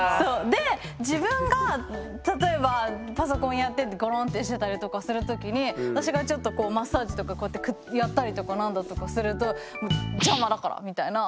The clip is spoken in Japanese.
で自分が例えばパソコンやっててごろんってしてたりとかする時に私がちょっとマッサージとかこうやってやったりとか何だとかすると邪魔だからみたいな。